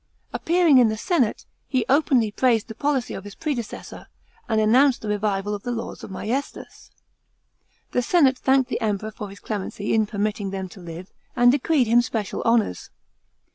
Appearing in the senate, he openly praised the policy of his predecessor, and announced the revival of the laws of maiestas. The senate thanked the Emperor for his clemency in permitting them to live, and decreed him special honours.